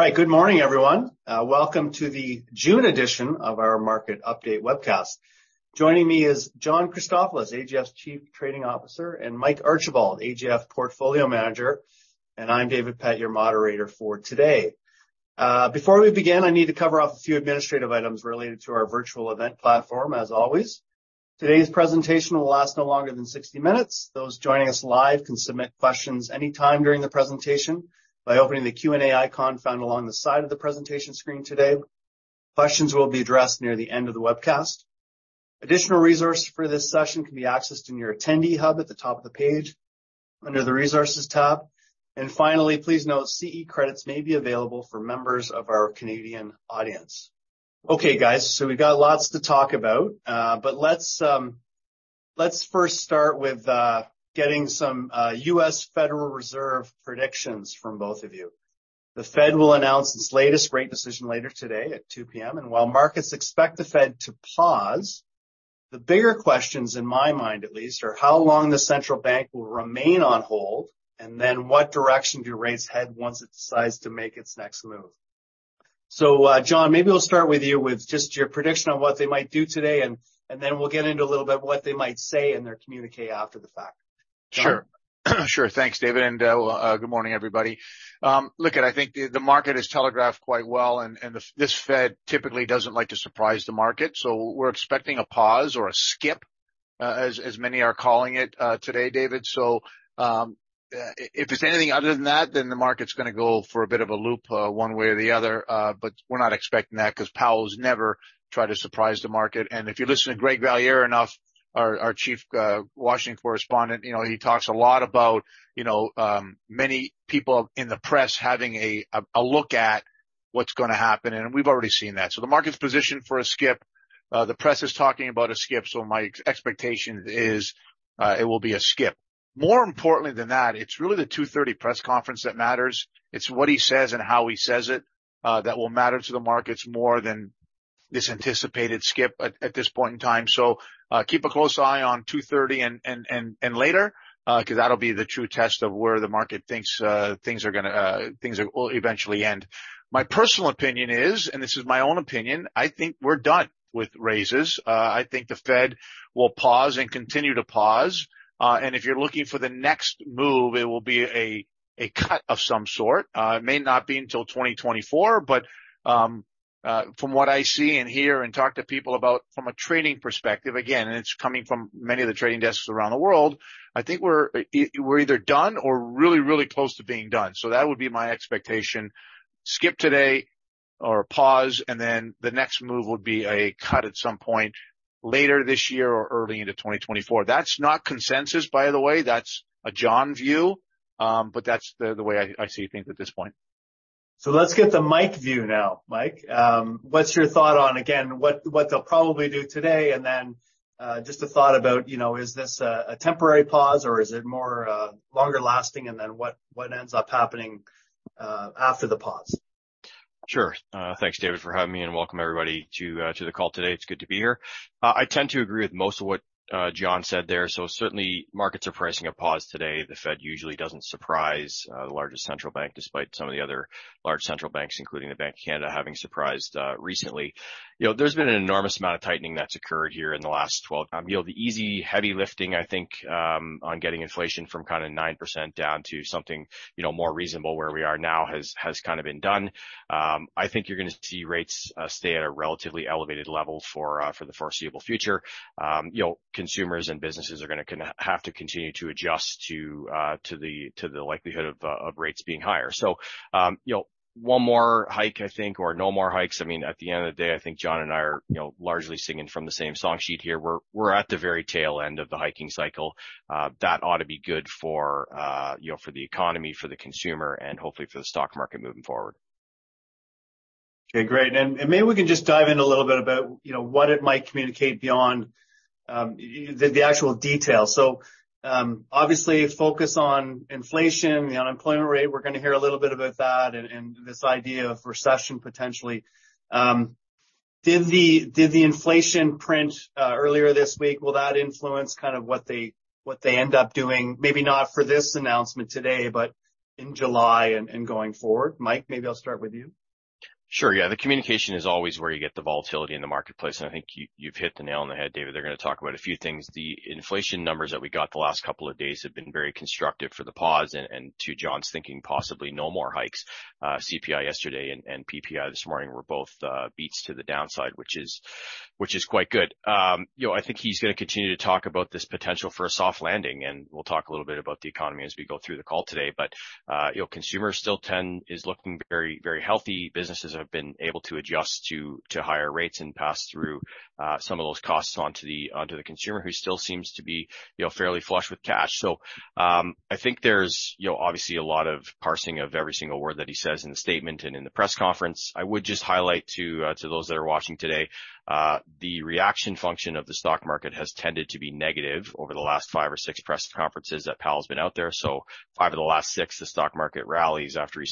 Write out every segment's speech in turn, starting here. All right. Good morning, everyone. Welcome to the June edition of our market update webcast. Joining me is John Christofilos, AGF's Chief Trading Officer, and Mike Archibald, AGF Portfolio Manager. I'm David Pett, your moderator for today. Before we begin, I need to cover off a few administrative items related to our virtual event platform, as always. Today's presentation will last no longer than 60 minutes. Those joining us live can submit questions any time during the presentation by opening the Q&A icon found along the side of the presentation screen today. Questions will be addressed near the end of the webcast. Additional resources for this session can be accessed in your attendee hub at the top of the page under the Resources tab. Finally, please note, CE credits may be available for members of our Canadian audience. Okay, guys, we've got lots to talk about, but let's first start with getting some U.S. Federal Reserve predictions from both of you. The Fed will announce its latest rate decision later today at 2:00 P.M. While markets expect the Fed to pause, the bigger questions, in my mind at least, are how long the central bank will remain on hold, and then what direction do rates head once it decides to make its next move. John, maybe we'll start with you with just your prediction on what they might do today, and then we'll get into a little bit what they might say in their communiqué after the fact. John? Sure. Sure. Thanks, David, good morning, everybody. Look, I think the market has telegraphed quite well, and this Fed typically doesn't like to surprise the market. We're expecting a pause or a skip as many are calling it today, David. If it's anything other than that, the market's gonna go for a bit of a loop one way or the other. We're not expecting that 'cause Powell has never tried to surprise the market. If you listen to Greg Valliere enough, our chief Washington correspondent, you know, he talks a lot about, you know, many people in the press having a look at what's gonna happen. We've already seen that. The market's positioned for a skip. The press is talking about a skip, so my expectation is it will be a skip. More importantly than that, it's really the 2:30 P.M. press conference that matters. It's what he says and how he says it that will matter to the markets more than this anticipated skip at this point in time. Keep a close eye on 2:30 P.M. and later, 'cause that'll be the true test of where the market thinks things will eventually end. My personal opinion is, and this is my own opinion, I think we're done with raises. I think the Fed will pause and continue to pause. If you're looking for the next move, it will be a cut of some sort. It may not be until 2024, but, from what I see and hear and talk to people about from a trading perspective, again, and it's coming from many of the trading desks around the world, I think we're either done or really, really close to being done. That would be my expectation. Skip today or pause, and then the next move would be a cut at some point later this year or early into 2024. That's not consensus, by the way. That's a John view, but that's the way I see things at this point. Let's get the Mike view now. Mike, what's your thought on, again, what they'll probably do today, and then, just a thought about, you know, is this a temporary pause or is it more, longer lasting, and then what ends up happening after the pause? Sure. Thanks, David, for having me, and welcome everybody to the call today. It's good to be here. I tend to agree with most of what John said there. Certainly markets are pricing a pause today. The Fed usually doesn't surprise the largest central bank, despite some of the other large central banks, including the Bank of Canada, having surprised recently. You know, there's been an enormous amount of tightening that's occurred here. You know, the easy, heavy lifting, I think, on getting inflation from kinda 9% down to something, you know, more reasonable where we are now has kinda been done. I think you're gonna see rates stay at a relatively elevated level for the foreseeable future. You know, consumers and businesses are gonna have to continue to adjust to the likelihood of rates being higher. You know, one more hike, I think, or no more hikes. I mean, at the end of the day, I think John and I are, you know, largely singing from the same song sheet here. We're at the very tail end of the hiking cycle. That ought to be good for, you know, for the economy, for the consumer, and hopefully for the stock market moving forward. Okay, great. Maybe we can just dive in a little bit about, you know, what it might communicate beyond the actual details. Obviously focus on inflation, the unemployment rate, we're gonna hear a little bit about that and this idea of recession, potentially. Did the inflation print earlier this week, will that influence kind of what they end up doing? Maybe not for this announcement today, but in July and going forward. Mike, maybe I'll start with you. Sure. Yeah. The communication is always where you get the volatility in the marketplace. I think you've hit the nail on the head, David. They're gonna talk about a few things. The inflation numbers that we got the last couple of days have been very constructive for the pause and to John's thinking, possibly no more hikes. CPI yesterday and PPI this morning were both beats to the downside, which is quite good. You know, I think he's gonna continue to talk about this potential for a soft landing, and we'll talk a little bit about the economy as we go through the call today. You know, consumer still is looking very, very healthy. Businesses have been able to adjust to higher rates and pass through some of those costs onto the consumer, who still seems to be, you know, fairly flush with cash. I think there's, you know, obviously a lot of parsing of every single word that he says in the statement and in the press conference. I would just highlight to those that are watching today, the reaction function of the stock market has tended to be negative over the last five or six press conferences that Powell's been out there. Five of the last six, the stock market rallies after he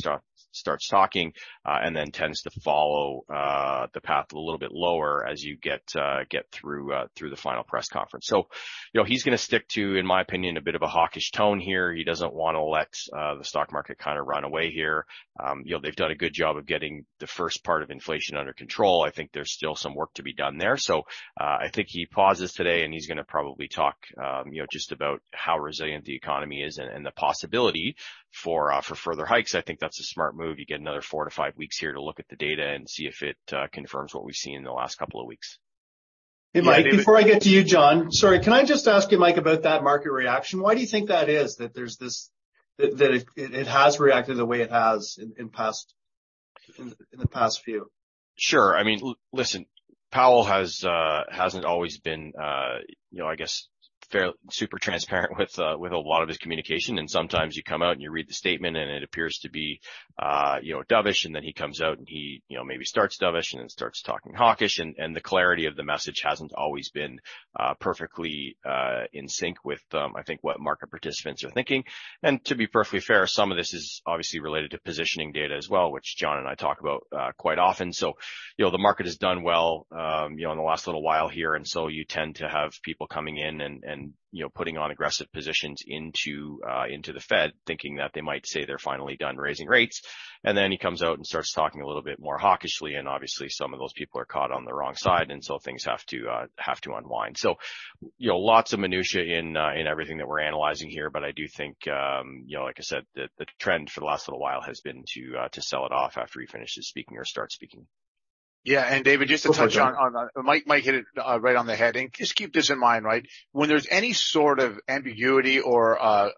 starts talking, and then tends to follow the path a little bit lower as you get through the final press conference. You know, he's gonna stick to, in my opinion, a bit of a hawkish tone here. He doesn't wanna let the stock market kinda run away here. You know, they've done a good job of getting the first part of inflation under control. I think there's still some work to be done there. I think he pauses today, and he's gonna probably talk, you know, just about how resilient the economy is and the possibility for further hikes. I think that's a smart move. You get another four to five weeks here to look at the data and see if it confirms what we've seen in the last couple of weeks. Hey, Mike, before I get to you, John. Sorry, can I just ask you, Mike, about that market reaction? Why do you think that is that there's this that it has reacted the way it has in past the past few? Sure. I mean, listen, Powell hasn't always been, you know, I guess, super transparent with a lot of his communication. Sometimes you come out, and you read the statement and it appears to be, you know, dovish, and then he comes out and he, you know, maybe starts dovish and then starts talking hawkish. The clarity of the message hasn't always been perfectly in sync with, I think what market participants are thinking. To be perfectly fair, some of this is obviously related to positioning data as well, which John and I talk about quite often. You know, the market has done well, you know, in the last little while here, and so you tend to have people coming in and, you know, putting on aggressive positions into the Fed thinking that they might say they're finally done raising rates. Then he comes out and starts talking a little bit more hawkishly, and obviously some of those people are caught on the wrong side, and so things have to unwind. You know, lots of minutiae in everything that we're analyzing here, but I do think, you know, like I said, the trend for the last little while has been to sell it off after he finishes speaking or starts speaking. Yeah. David, just to touch on Mike hit it right on the head. Just keep this in mind, right? When there's any sort of ambiguity or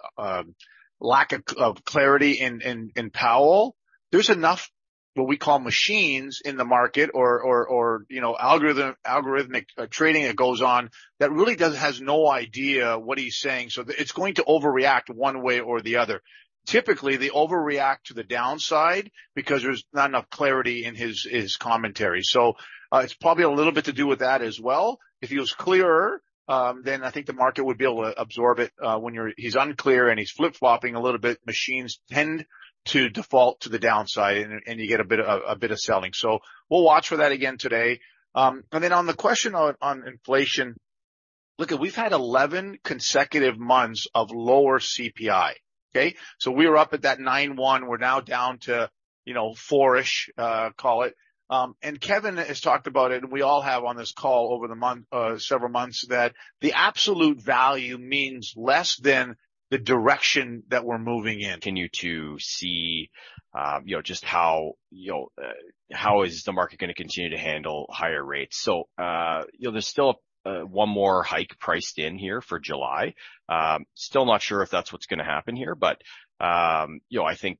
lack of clarity in Powell, there's enough, what we call machines in the market or, you know, algorithmic trading that goes on that really has no idea what he's saying. It's going to overreact one way or the other. Typically, they overreact to the downside because there's not enough clarity in his commentary. It's probably a little bit to do with that as well. If he was clearer, I think the market would be able to absorb it. he's unclear, and he's flip-flopping a little bit, machines tend to default to the downside, and you get a bit of selling. We'll watch for that again today. Then on the question on inflation, look, we've had 11 consecutive months of lower CPI, okay? We were up at that 9.1%. We're now down to, you know, 4-ish%, call it. Kevin has talked about it, and we all have on this call over the month, several months, that the absolute value means less than the direction that we're moving in. Continue to see, you know, just how, you know, how is the market gonna continue to handle higher rates. You know, there's still 1 more hike priced in here for July. Still not sure if that's what's gonna happen here. You know, I think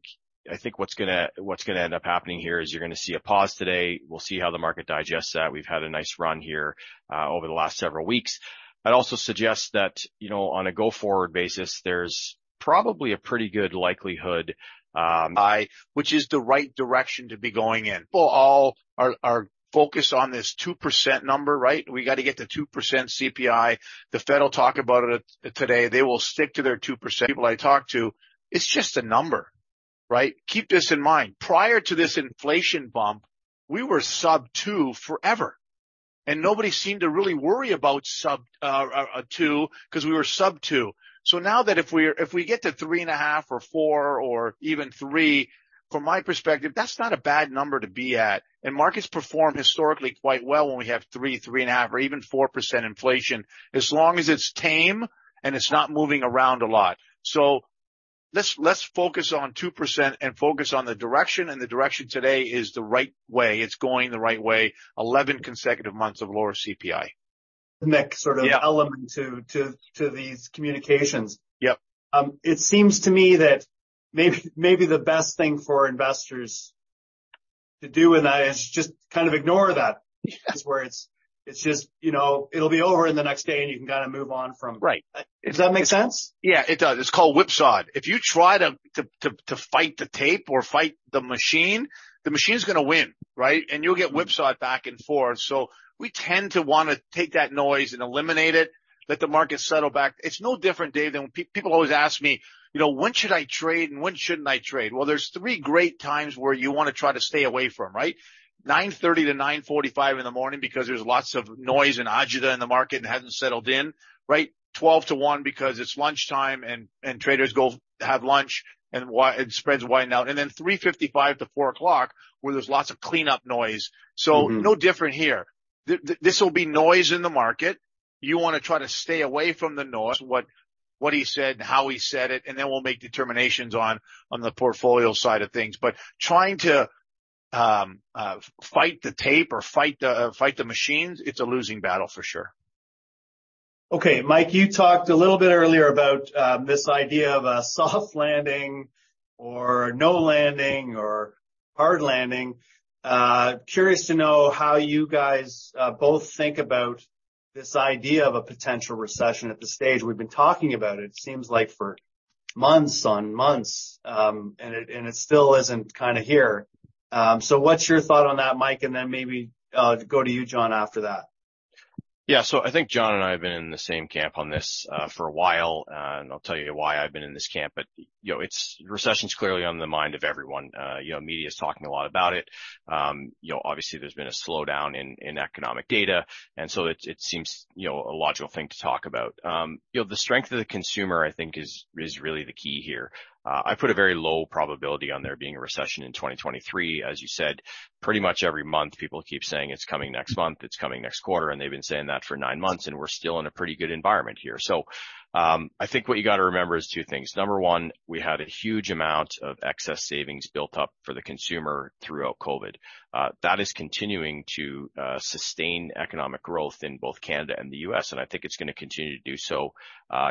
what's gonna, what's gonna end up happening here is you're gonna see a pause today. We'll see how the market digests that. We've had a nice run here over the last several weeks. I'd also suggest that, you know, on a go-forward basis, there's probably a pretty good likelihood. Which is the right direction to be going in. People all are focused on this 2% number, right? We gotta get to 2% CPI. The Fed will talk about it today. They will stick to their 2%. People I talk to, it's just a number, right? Keep this in mind. Prior to this inflation bump, we were sub 2 forever, and nobody seemed to really worry about sub 2 'cause we were sub 2. Now that if we get to 3.5% or 4% or even 3%, from my perspective, that's not a bad number to be at, and markets perform historically quite well when we have 3%, 3.5% or even 4% inflation as long as it's tame and it's not moving around a lot. Let's focus on 2% and focus on the direction, and the direction today is the right way. It's going the right way. 11 consecutive months of lower CPI. The next sort of Yeah. -element to these communications. Yep. It seems to me that maybe the best thing for investors to do with that is just kind of ignore that. Yeah. That's where it's just. You know, it'll be over in the next day, and you can kinda move on. Right. Does that make sense? Yeah, it does. It's called whipsaw. If you try to fight the tape or fight the machine, the machine's gonna win, right? You'll get whipsawed back and forth. We tend to wanna take that noise and eliminate it, let the market settle back. It's no different, Dave, than people always ask me, "You know, when should I trade, and when shouldn't I trade?" Well, there's three great times where you wanna try to stay away from, right? 9:30 A.M-9:45 A.M in the morning because there's lots of noise and agita in the market and hasn't settled in, right? 12:00 P.M-1:00 P.M because it's lunchtime, and traders go have lunch, and spreads widen out. Then 3:55 P.M-4:00 P.M Where there's lots of cleanup noise. Mm-hmm. No different here. This will be noise in the market. You wanna try to stay away from the noise. What he said and how he said it, we'll make determinations on the portfolio side of things. Trying to fight the tape or fight the machines, it's a losing battle for sure. Mike, you talked a little bit earlier about this idea of a soft landing or no landing or hard landing. Curious to know how you guys both think about this idea of a potential recession at this stage. We've been talking about it seems like for months on months, and it still isn't kinda here. What's your thought on that, Mike? Maybe go to you, John, after that. Yeah. I think John and I have been in the same camp on this for a while, and I'll tell you why I've been in this camp. You know, Recession's clearly on the mind of everyone. You know, media's talking a lot about it. You know, obviously there's been a slowdown in economic data, it seems, you know, a logical thing to talk about. You know, the strength of the consumer I think is really the key here. I put a very low probability on there being a recession in 2023. As you said, pretty much every month people keep saying it's coming next month, it's coming next quarter, and they've been saying that for 9 months, and we're still in a pretty good environment here. I think what you gotta remember is two things. Number one, we had a huge amount of excess savings built up for the consumer throughout COVID. That is continuing to sustain economic growth in both Canada and the U.S., and I think it's gonna continue to do so,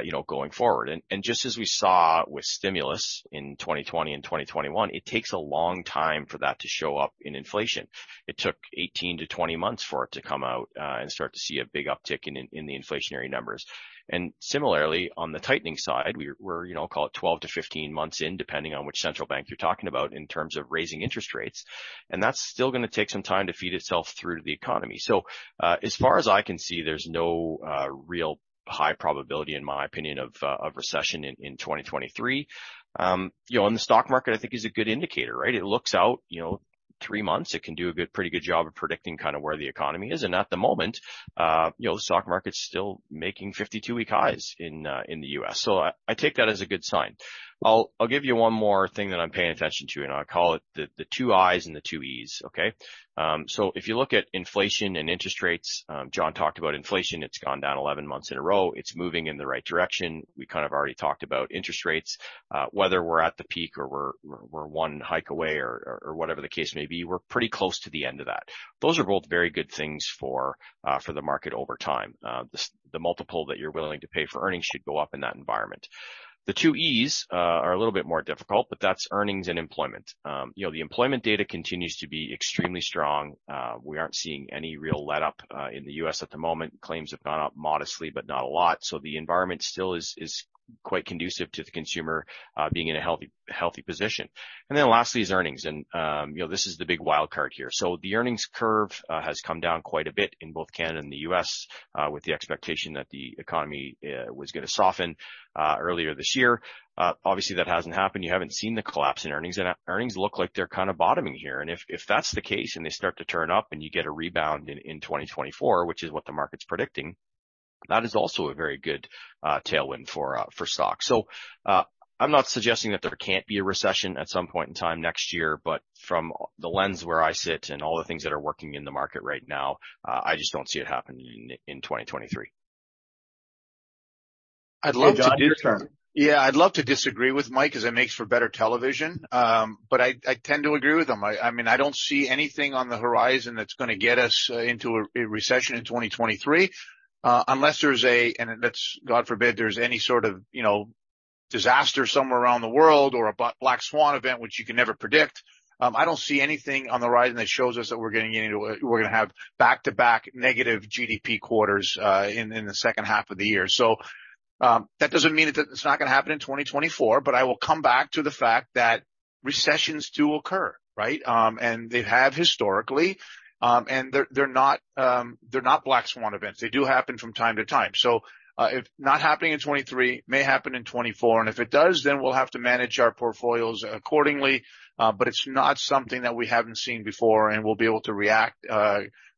you know, going forward. Just as we saw with stimulus in 2020 and 2021, it takes a long time for that to show up in inflation. It took 18 to 20 months for it to come out and start to see a big uptick in the inflationary numbers. Similarly, on the tightening side, we're, you know, call it 12-15 months in, depending on which central bank you're talking about in terms of raising interest rates, and that's still gonna take some time to feed itself through to the economy. As far as I can see, there's no real high probability in my opinion of recession in 2023. You know, the stock market I think is a good indicator, right? It looks out, you know, three months, it can do a pretty good job of predicting kinda where the economy is. At the moment, you know, the stock market's still making 52-week highs in the U.S. I take that as a good sign. I'll give you one more thing that I'm paying attention to, and I call it the Two Is and the Two Es, okay? If you look at inflation and interest rates, John talked about inflation, it's gone down 11 months in a row. It's moving in the right direction. We kind of already talked about interest rates. Whether we're at the peak or we're one hike away or whatever the case may be, we're pretty close to the end of that. Those are both very good things for the market over time. The multiple that you're willing to pay for earnings should go up in that environment. The Two Es are a little bit more difficult, but that's earnings and employment. You know, the employment data continues to be extremely strong. We aren't seeing any real letup in the U.S. at the moment. Claims have gone up modestly, but not a lot. The environment still is quite conducive to the consumer being in a healthy position. Lastly is earnings and, you know, this is the big wild card here. The earnings curve has come down quite a bit in both Canada and the U.S. with the expectation that the economy was gonna soften earlier this year. Obviously, that hasn't happened. You haven't seen the collapse in earnings. Earnings look like they're kinda bottoming here. If that's the case and they start to turn up and you get a rebound in 2024, which is what the market's predicting, that is also a very good tailwind for stocks. I'm not suggesting that there can't be a recession at some point in time next year, but from the lens where I sit and all the things that are working in the market right now, I just don't see it happening in 2023. I'd love to- John-. I'd love to disagree with Mike 'cause it makes for better television. I tend to agree with him. I mean, I don't see anything on the horizon that's gonna get us into a recession in 2023, unless there's a... That's, God forbid, there's any sort of, you know, disaster somewhere around the world or a black swan event, which you can never predict. I don't see anything on the horizon that shows us that we're getting into we're gonna have back-to-back negative GDP quarters in the second half of the year. That doesn't mean it it's not gonna happen in 2024, but I will come back to the fact that recessions do occur, right? They have historically. They're, they're not, they're not black swan events. They do happen from time to time. If not happening in 2023, may happen in 2024. If it does, then we'll have to manage our portfolios accordingly. It's not something that we haven't seen before, and we'll be able to react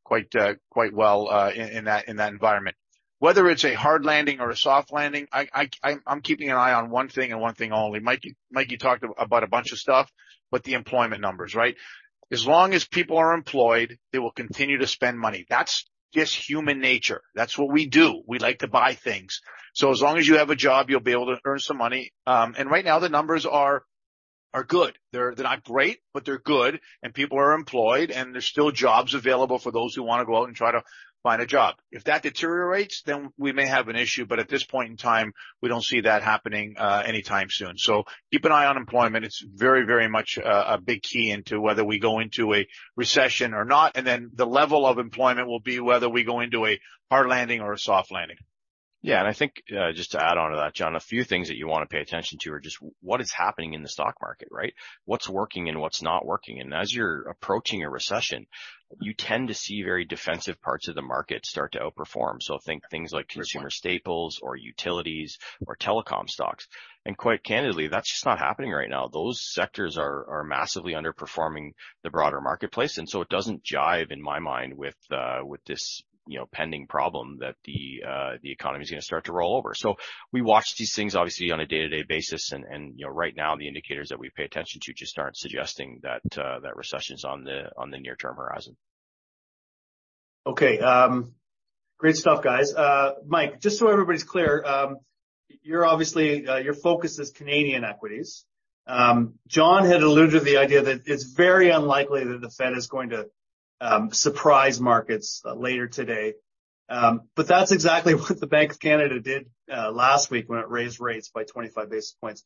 quite well in that environment. Whether it's a hard landing or a soft landing, I'm keeping an eye on one thing and one thing only. Mike, you talked about a bunch of stuff, but the employment numbers, right? As long as people are employed, they will continue to spend money. That's just human nature. That's what we do. We like to buy things. As long as you have a job, you'll be able to earn some money. And right now the numbers are good. They're not great, but they're good, and people are employed, and there's still jobs available for those who wanna go out and try to find a job. If that deteriorates, then we may have an issue, but at this point in time, we don't see that happening anytime soon. Keep an eye on employment. It's very, very much a big key into whether we go into a recession or not. The level of employment will be whether we go into a hard landing or a soft landing. Yeah. I think, just to add on to that, John, a few things that you wanna pay attention to are just what is happening in the stock market, right? What's working and what's not working. As you're approaching a recession, you tend to see very defensive parts of the market start to outperform. Think things like- For sure.... Consumer Staples or utilities or telecom stocks. Quite candidly, that's just not happening right now. Those sectors are massively underperforming the broader marketplace. It doesn't jibe in my mind with this, you know, pending problem that the economy's gonna start to roll over. We watch these things obviously on a day-to-day basis and, you know, right now the indicators that we pay attention to just aren't suggesting that recession's on the near-term horizon. Great stuff, guys. Mike, just so everybody's clear, you're obviously, your focus is Canadian equities. John had alluded to the idea that it's very unlikely that the Fed is going to surprise markets later today. That's exactly what the Bank of Canada did last week when it raised rates by 25 basis points.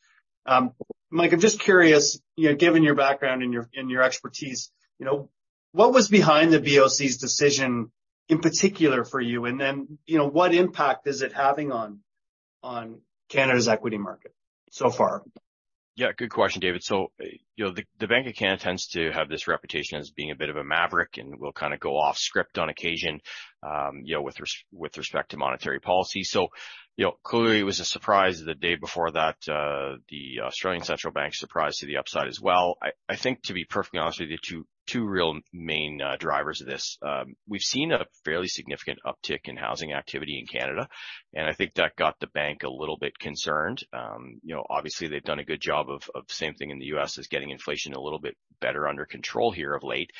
Mike, I'm just curious, you know, given your background and your, and your expertise, you know, what was behind the BoC's decision in particular for you? You know, what impact is it having on Canada's equity market so far? Yeah, good question, David. You know, the Bank of Canada tends to have this reputation as being a bit of a maverick and will kind of go off script on occasion, you know, with respect to monetary policy. You know, clearly it was a surprise the day before that the Reserve Bank of Australia surprise to the upside as well. I think to be perfectly honest with you, two real main drivers of this. We've seen a fairly significant uptick in housing activity in Canada, and I think that got the bank a little bit concerned. You know, obviously they've done a good job of same thing in the U.S., is getting inflation a little bit better under control here of late.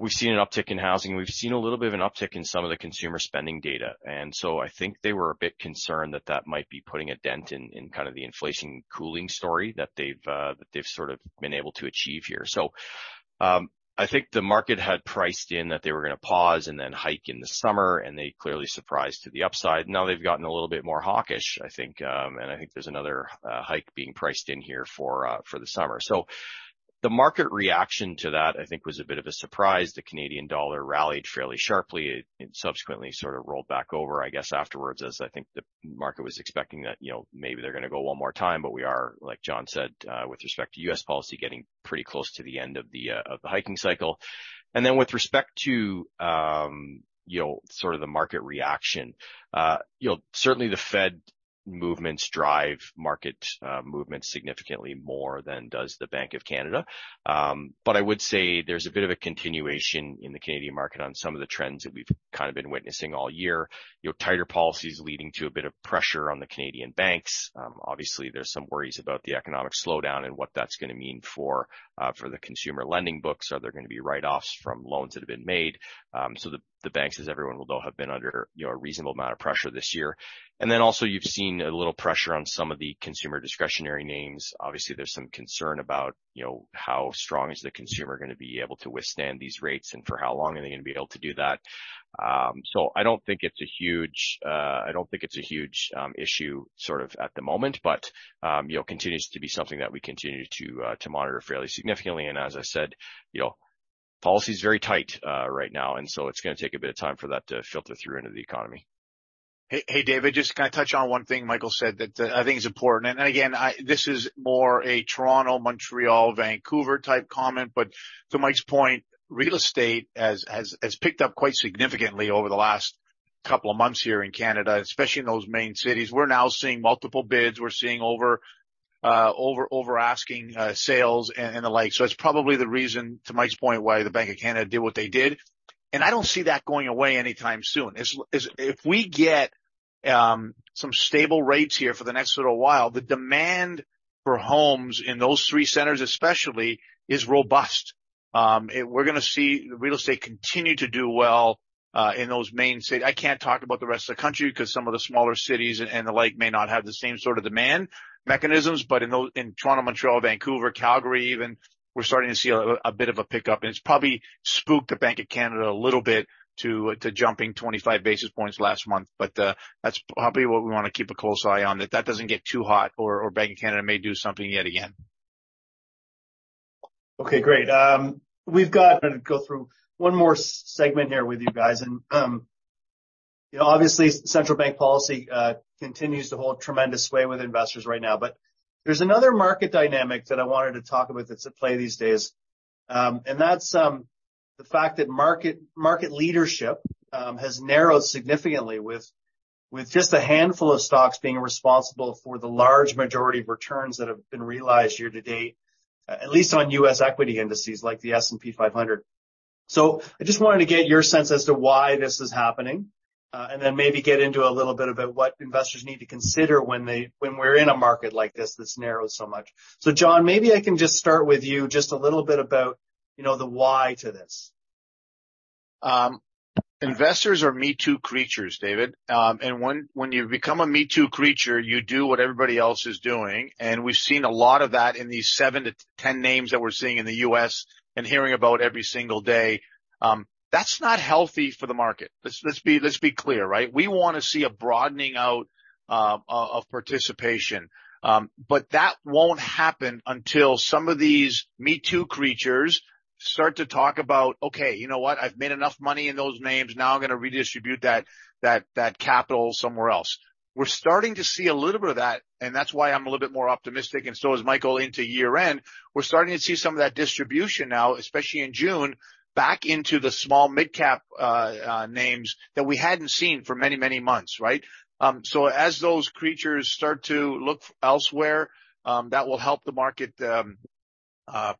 We've seen an uptick in housing, and we've seen a little bit of an uptick in some of the consumer spending data. I think they were a bit concerned that that might be putting a dent in kind of the inflation cooling story that they've sort of been able to achieve here. I think the market had priced in that they were gonna pause and then hike in the summer, and they clearly surprised to the upside. Now they've gotten a little bit more hawkish, I think, and I think there's another hike being priced in here for the summer. The market reaction to that, I think, was a bit of a surprise. The Canadian dollar rallied fairly sharply. It subsequently sort of rolled back over, I guess, afterwards as I think the market was expecting that, you know, maybe they're gonna go one more time. We are, like John said, with respect to U.S. policy, getting pretty close to the end of the hiking cycle. With respect to, you know, sort of the market reaction, you know, certainly the Fed movements drive market movements significantly more than does the Bank of Canada. I would say there's a bit of a continuation in the Canadian market on some of the trends that we've kind of been witnessing all year. You know, tighter policies leading to a bit of pressure on the Canadian banks. Obviously there's some worries about the economic slowdown and what that's gonna mean for the consumer lending books. Are there gonna be write-offs from loans that have been made? The banks, as everyone will know, have been under, you know, a reasonable amount of pressure this year. Also, you've seen a little pressure on some of the Consumer Discretionary names. Obviously, there's some concern about, you know, how strong is the consumer gonna be able to withstand these rates, and for how long are they gonna be able to do that? I don't think it's a huge, I don't think it's a huge issue sort of at the moment, but, you know, continues to be something that we continue to monitor fairly significantly. As I said, you know, policy is very tight right now, and so it's gonna take a bit of time for that to filter through into the economy. Hey, David, just can I touch on one thing Michael said that I think is important. Again, this is more a Toronto, Montreal, Vancouver type comment, but to Mike's point, real estate has picked up quite significantly over the last couple of months here in Canada, especially in those main cities. We're now seeing multiple bids. We're seeing over asking sales and the like. It's probably the reason, to Mike's point, why the Bank of Canada did what they did, and I don't see that going away anytime soon. If we get some stable rates here for the next little while, the demand for homes in those three centers especially is robust. We're gonna see real estate continue to do well in those main cities. I can't talk about the rest of the country 'cause some of the smaller cities and the like may not have the same sort of demand mechanisms. In Toronto, Montreal, Vancouver, Calgary even, we're starting to see a bit of a pickup. It's probably spooked the Bank of Canada a little bit to jumping 25 basis points last month. That's probably what we wanna keep a close eye on, that that doesn't get too hot or Bank of Canada may do something yet again. Okay, great. We've got to go through one more segment here with you guys. You know, obviously central bank policy continues to hold tremendous sway with investors right now. There's another market dynamic that I wanted to talk about that's at play these days. And that's the fact that market leadership has narrowed significantly with just a handful of stocks being responsible for the large majority of returns that have been realized year-to-date, at least on U.S. equity indices like the S&P 500. I just wanted to get your sense as to why this is happening, and then maybe get into a little bit about what investors need to consider when we're in a market like this that's narrowed so much. John, maybe I can just start with you, just a little bit about, you know, the why to this. Investors are me too creatures, David. When you become a me too creature, you do what everybody else is doing. We've seen a lot of that in these 7-10 names that we're seeing in the U.S. and hearing about every single day. That's not healthy for the market. Let's be clear, right? We wanna see a broadening out, of participation. That won't happen until some of these me too creatures start to talk about, "Okay, you know what? I've made enough money in those names, now I'm gonna redistribute that capital somewhere else." We're starting to see a little bit of that, and that's why I'm a little bit more optimistic, and so is Michael, into year-end. We're starting to see some of that distribution now, especially in June, back into the small midcap names that we hadn't seen for many, many months, right? As those creatures start to look elsewhere, that will help the market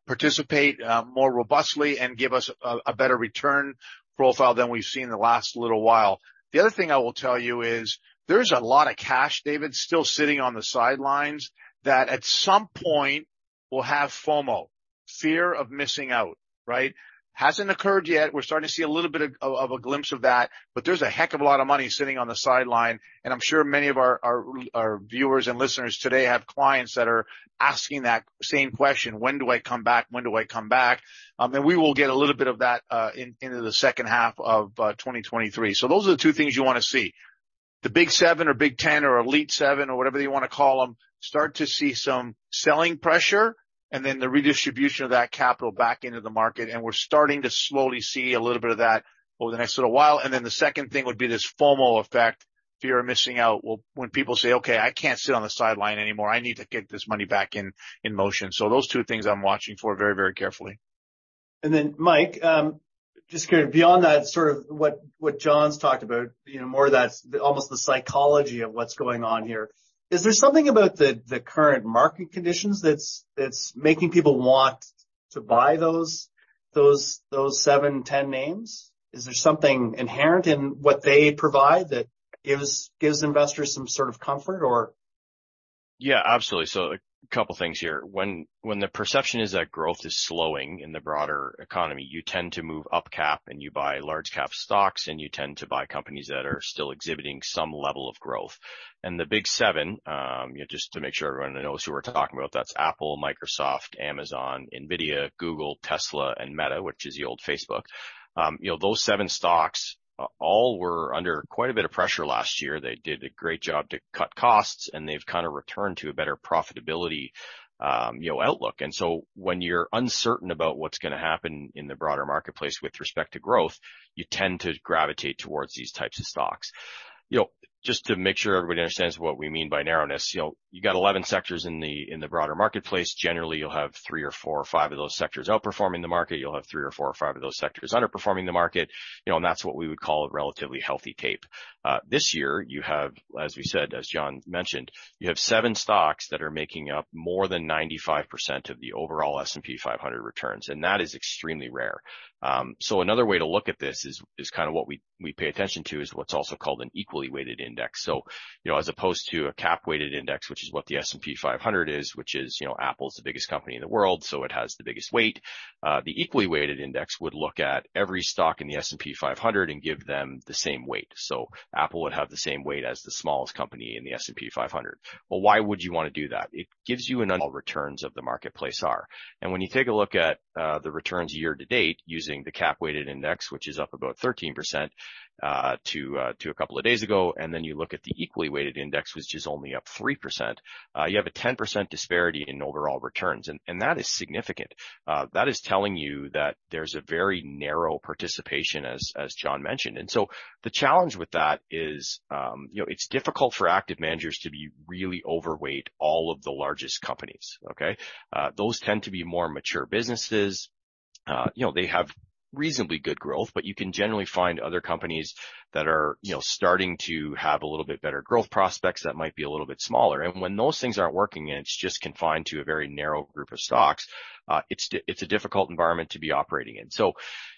participate more robustly and give us a better return profile than we've seen in the last little while. The other thing I will tell you is there's a lot of cash, David, still sitting on the sidelines that at some point will have FOMO, fear of missing out, right? Hasn't occurred yet. We're starting to see a little bit of a glimpse of that, but there's a heck of a lot of money sitting on the sideline, and I'm sure many of our viewers and listeners today have clients that are asking that same question: "When do I come back? When do I come back?" We will get a little bit of that into the second half of 2023. Those are the two things you wanna see. The big seven or big ten or elite seven or whatever you wanna call them, start to see some selling pressure. The redistribution of that capital back into the market, and we're starting to slowly see a little bit of that over the next little while. The second thing would be this FOMO effect, fear of missing out. Well, when people say, "Okay, I can't sit on the sideline anymore. I need to get this money back in motion." Those two things I'm watching for very, very carefully. Mike, just kinda beyond that sort of what John's talked about, you know, more of that, almost the psychology of what's going on here, is there something about the current market conditions that's making people want to buy those seven, 10 names? Is there something inherent in what they provide that gives investors some sort of comfort or? Absolutely. A couple things here. When the perception is that growth is slowing in the broader economy, you tend to move up cap and you buy large cap stocks, and you tend to buy companies that are still exhibiting some level of growth. The big seven, you know, just to make sure everyone knows who we're talking about, that's Apple, Microsoft, Amazon, NVIDIA, Google, Tesla, and Meta, which is the old Facebook. You know, those seven stocks all were under quite a bit of pressure last year. They did a great job to cut costs, and they've kinda returned to a better profitability, you know, outlook. When you're uncertain about what's gonna happen in the broader marketplace with respect to growth, you tend to gravitate towards these types of stocks. You know, just to make sure everybody understands what we mean by narrowness, you know, you got 11 sectors in the, in the broader marketplace. Generally, you'll have three or four or five of those sectors outperforming the market. You'll have three or four or five of those sectors underperforming the market, you know, and that's what we would call a relatively healthy tape. This year, you have, as we said, as John mentioned, you have seven stocks that are making up more than 95% of the overall S&P 500 returns, and that is extremely rare. Another way to look at this is kinda what we pay attention to, is what's also called an equally weighted index. You know, as opposed to a cap-weighted index, which is what the S&P 500 is, which is, you know, Apple's the biggest company in the world, so it has the biggest weight. The equally weighted index would look at every stock in the S&P 500 and give them the same weight. Apple would have the same weight as the smallest company in the S&P 500. Well, why would you wanna do that? It gives you an all returns of the marketplace are. When you take a look at the returns year to date using the cap-weighted index, which is up about 13%, to a couple of days ago, then you look at the equally weighted index, which is only up 3%, you have a 10% disparity in overall returns, and that is significant. That is telling you that there's a very narrow participation as John mentioned. The challenge with that is, you know, it's difficult for active managers to be really overweight all of the largest companies, okay? Those tend to be more mature businesses. You know, they have reasonably good growth, but you can generally find other companies that are, you know, starting to have a little bit better growth prospects that might be a little bit smaller. When those things aren't working and it's just confined to a very narrow group of stocks, it's a difficult environment to be operating in.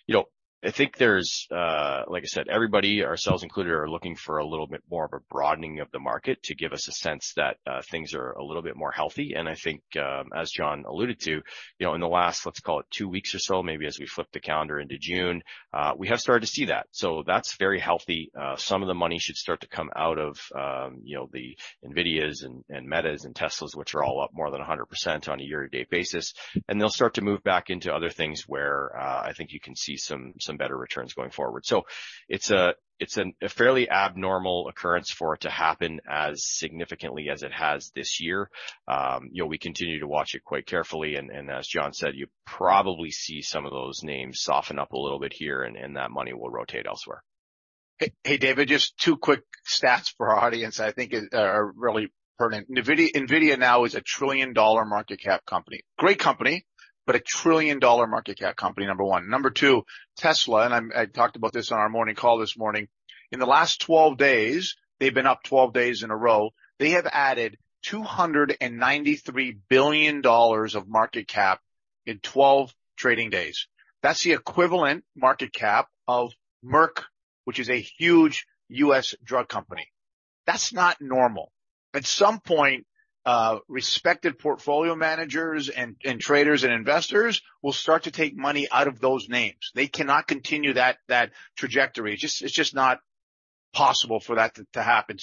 You know, I think there's, like I said, everybody, ourselves included, are looking for a little bit more of a broadening of the market to give us a sense that things are a little bit more healthy. I think, as John alluded to, you know, in the last, let's call it two weeks or so, maybe as we flip the calendar into June, we have started to see that. That's very healthy. Some of the money should start to come out of, you know, the NVIDIAs and Metas and Teslas, which are all up more than 100% on a year-to-date basis. They'll start to move back into other things where I think you can see some better returns going forward. It's a fairly abnormal occurrence for it to happen as significantly as it has this year. You know, we continue to watch it quite carefully and as John said, you probably see some of those names soften up a little bit here and that money will rotate elsewhere. David, just two quick stats for our audience I think are really pertinent. NVIDIA now is a trillion-dollar market cap company. Great company, but a trillion-dollar market cap company, number one. Number two, Tesla, and I talked about this on our morning call this morning. In the last 12 days, they've been up 12 days in a row, they have added $293 billion of market cap in 12 trading days. That's the equivalent market cap of Merck, which is a huge U.S. drug company. That's not normal. At some point, respected portfolio managers and traders and investors will start to take money out of those names. They cannot continue that trajectory. It's just not possible for that to happen.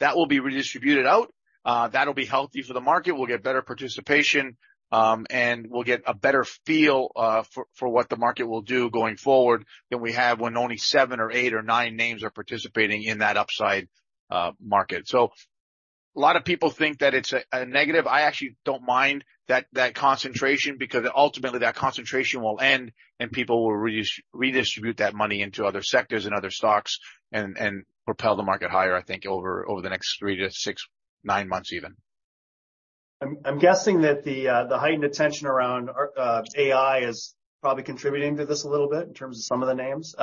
That will be redistributed out. That'll be healthy for the market. We'll get better participation, and we'll get a better feel for what the market will do going forward than we have when only seven or eight or nine names are participating in that upside market. A lot of people think that it's a negative. I actually don't mind that concentration because ultimately that concentration will end. People will redistribute that money into other sectors and other stocks and propel the market higher, I think, over the next three to six, nine months even. I'm guessing that the heightened attention around AI is probably contributing to this a little bit in terms of some of the names.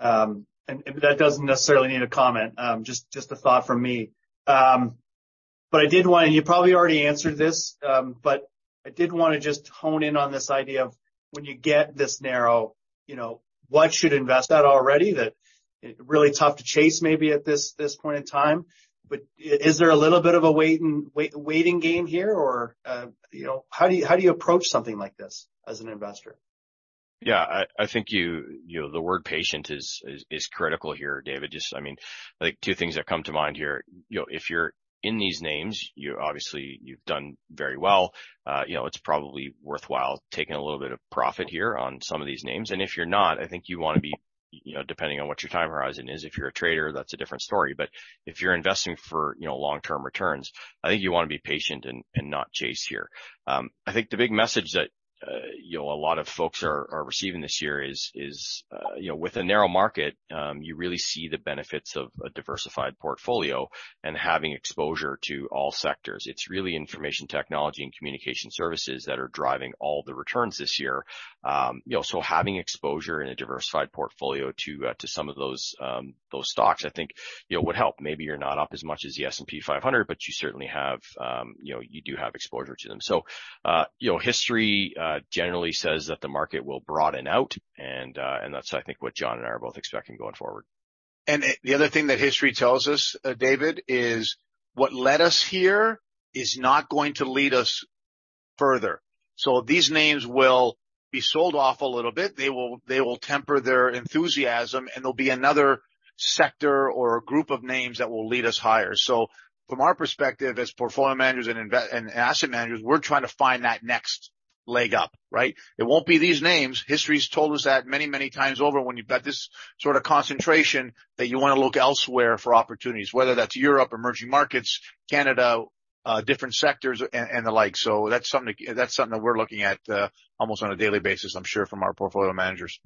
That doesn't necessarily need a comment, just a thought from me. I did wanna. You probably already answered this, but I did wanna just hone in on this idea of when you get this narrow, you know, what should invest out already that really tough to chase maybe at this point in time. Is there a little bit of a waiting game here or, you know, how do you, how do you approach something like this as an investor? Yeah, I think you know, the word patient is critical here, David. Just, I mean, like, two things that come to mind here. You know, if you're in these names, obviously you've done very well, you know, it's probably worthwhile taking a little bit of profit here on some of these names. If you're not, I think you wanna be, you know, depending on what your time horizon is, if you're a trader, that's a different story, but if you're investing for, you know, long-term returns, I think you wanna be patient and not chase here. I think the big message that, you know, a lot of folks are receiving this year is, you know, with a narrow market, you really see the benefits of a diversified portfolio and having exposure to all sectors. It's really Information Technology and Communication Services that are driving all the returns this year. You know, having exposure in a diversified portfolio to some of those stocks, I think, you know, would help. Maybe you're not up as much as the S&P 500, but you certainly have, you know, you do have exposure to them. You know, history generally says that the market will broaden out and that's, I think, what John and I are both expecting going forward. The other thing that history tells us, David, is what led us here is not going to lead us further. These names will be sold off a little bit. They will temper their enthusiasm, and there'll be another sector or a group of names that will lead us higher. From our perspective, as portfolio managers and asset managers, we're trying to find that next leg up, right? It won't be these names. History's told us that many, many times over, when you've got this sort of concentration that you wanna look elsewhere for opportunities, whether that's Europe, emerging markets, Canada, different sectors and the like. That's something that we're looking at almost on a daily basis, I'm sure from our portfolio managers.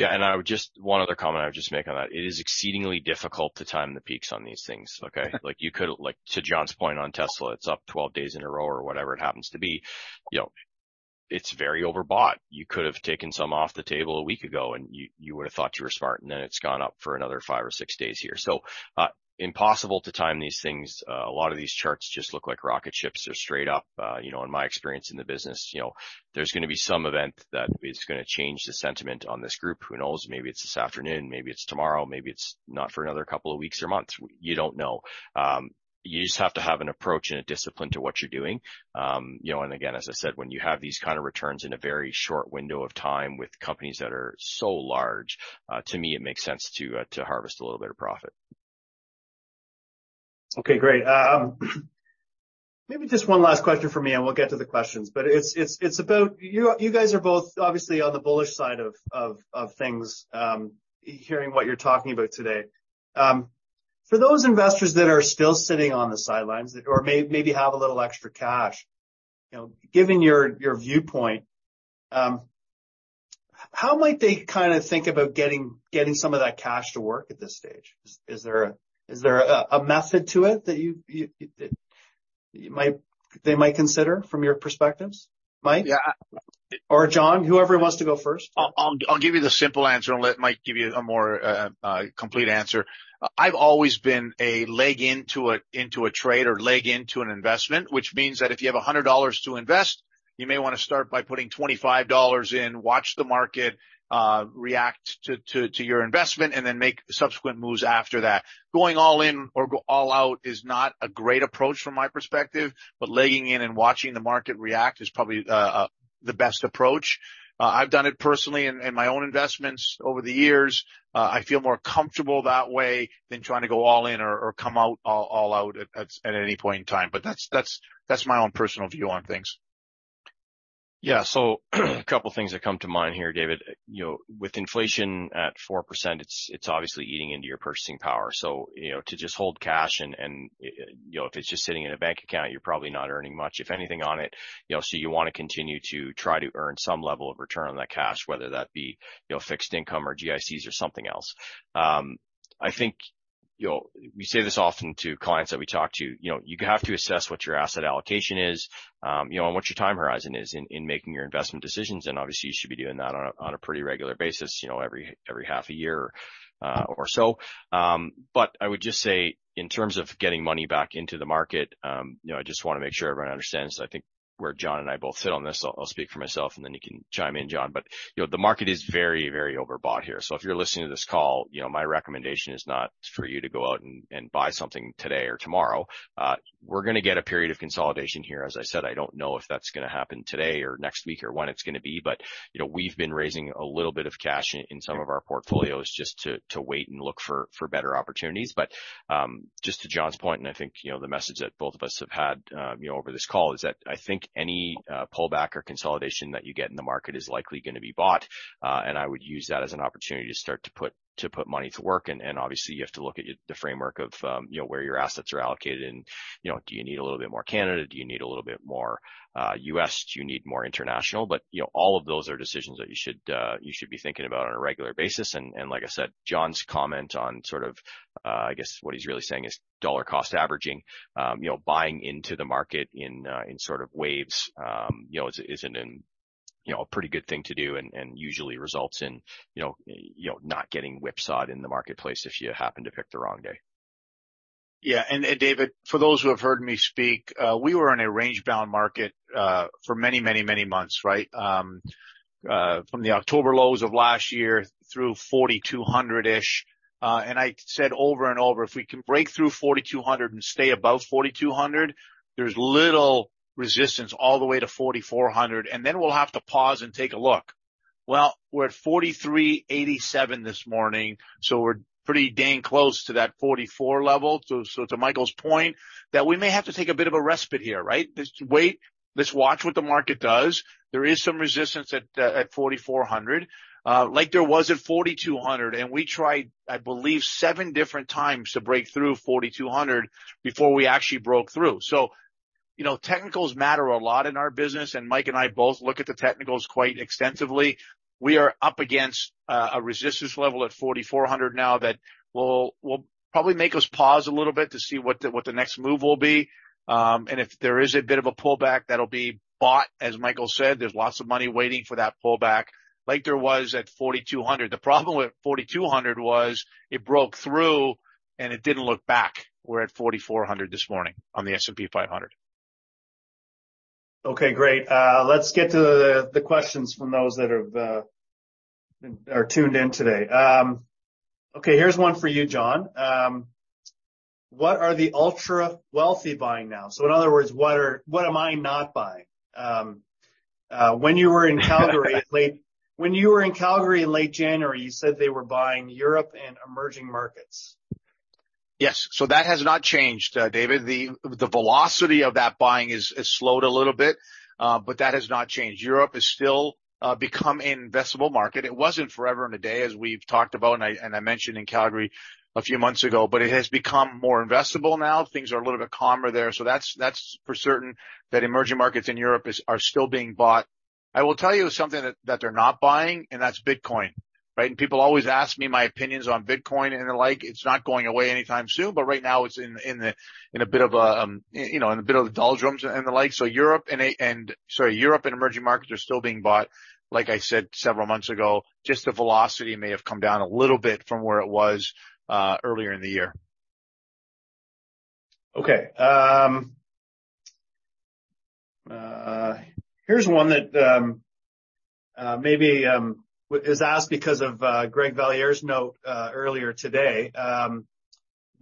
I would just one other comment I would just make on that. It is exceedingly difficult to time the peaks on these things, okay? Like, to John's point on Tesla, it's up 12 days in a row or whatever it happens to be. You know, it's very overbought. You could have taken some off the table a week ago, and you would have thought you were smart, and then it's gone up for another 5 or 6 days here. Impossible to time these things. A lot of these charts just look like rocket ships. They're straight up. You know, in my experience in the business, you know, there's gonna be some event that is gonna change the sentiment on this group. Who knows? Maybe it's this afternoon, maybe it's tomorrow, maybe it's not for another couple of weeks or months. You don't know. You just have to have an approach and a discipline to what you're doing. You know, again, as I said, when you have these kind of returns in a very short window of time with companies that are so large, to me, it makes sense to harvest a little bit of profit. Okay, great. Maybe just one last question from me, we'll get to the questions. It's about you guys are both obviously on the bullish side of things, hearing what you're talking about today. For those investors that are still sitting on the sidelines or maybe have a little extra cash, you know, given your viewpoint, how might they kinda think about getting some of that cash to work at this stage? Is there a, is there a method to it that you they might consider from your perspectives? Mike? Yeah. John, whoever wants to go first. I'll give you the simple answer and let Mike give you a more complete answer. I've always been a leg into a trade or leg into an investment, which means that if you have $100 to invest, you may wanna start by putting $25 in, watch the market react to your investment, and then make subsequent moves after that. Going all in or go all out is not a great approach from my perspective, but legging in and watching the market react is probably the best approach. I've done it personally in my own investments over the years. I feel more comfortable that way than trying to go all in or come out all out at any point in time. That's my own personal view on things. Yeah. A couple of things that come to mind here, David. You know, with inflation at 4%, it's obviously eating into your purchasing power. You know, to just hold cash and, you know, if it's just sitting in a bank account, you're probably not earning much, if anything, on it, you know. You want to continue to try to earn some level of return on that cash, whether that be, you know, fixed income or GICs or something else. I think, you know, we say this often to clients that we talk to, you know, you have to assess what your asset allocation is, you know, and what your time horizon is in making your investment decisions. Obviously, you should be doing that on a pretty regular basis, you know, every half a year or so. I would just say in terms of getting money back into the market, you know, I just wanna make sure everyone understands, I think, where John and I both sit on this. I'll speak for myself, and then you can chime in, John. You know, the market is very, very overbought here. If you're listening to this call, you know, my recommendation is not for you to go out and buy something today or tomorrow. We're gonna get a period of consolidation here. As I said, I don't know if that's gonna happen today or next week or when it's gonna be, but, you know, we've been raising a little bit of cash in some of our portfolios just to wait and look for better opportunities. Just to John's point, and I think, you know, the message that both of us have had, you know, over this call is that I think any pullback or consolidation that you get in the market is likely gonna be bought, and I would use that as an opportunity to start to put money to work. Obviously, you have to look at the framework of, you know, where your assets are allocated and, you know, do you need a little bit more Canada? Do you need a little bit more U.S.? Do you need more international? You know, all of those are decisions that you should be thinking about on a regular basis. Like I said, John's comment on sort of, I guess what he's really saying is dollar cost averaging. You know, buying into the market in sort of waves, you know, is an, you know, a pretty good thing to do and usually results in, you know, not getting whipsawed in the marketplace if you happen to pick the wrong day. Yeah. David, for those who have heard me speak, we were in a range-bound market for many, many, many months, right? From the October lows of last year through 4,200-ish. I said over and over, if we can break through 4,200 and stay above 4,200, there's little resistance all the way to 4,400, and then we'll have to pause and take a look. Well, we're at 4,387 this morning, so we're pretty dang close to that 44 level. To Michael's point that we may have to take a bit of a respite here, right? Just wait. Let's watch what the market does. There is some resistance at 4,400, like there was at 4,200. We tried, I believe, seven different times to break through 4,200 before we actually broke through. You know, technicals matter a lot in our business, and Mike and I both look at the technicals quite extensively. We are up against a resistance level at 4,400 now that will probably make us pause a little bit to see what the next move will be. If there is a bit of a pullback, that'll be bought. As Michael said, there's lots of money waiting for that pullback, like there was at 4,200. The problem with 4,200 was it broke through and it didn't look back. We're at 4,400 this morning on the S&P 500. Okay, great. Let's get to the questions from those that have, are tuned in today. Okay, here's one for you, John. What are the ultra-wealthy buying now? In other words, what am I not buying? When you were in Calgary in late January, you said they were buying Europe and emerging markets. Yes. That has not changed, David. The velocity of that buying is slowed a little bit, but that has not changed. Europe is still become investable market. It wasn't forever and a day, as we've talked about, and I mentioned in Calgary a few months ago, but it has become more investable now. Things are a little bit calmer there. That's for certain that emerging markets in Europe are still being bought. I will tell you something that they're not buying, and that's Bitcoin, right? People always ask me my opinions on Bitcoin and the like. It's not going away anytime soon. Right now it's in a bit of the doldrums and the like. Sorry. Europe and emerging markets are still being bought. Like I said several months ago, just the velocity may have come down a little bit from where it was earlier in the year. Okay. Here's one that maybe is asked because of Greg Valliere's note earlier today.